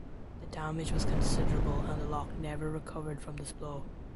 The damage was considerable and the lock never recovered from this blow.